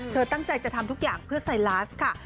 ตั้งใจจะทำทุกอย่างเพื่อไซลาสค่ะ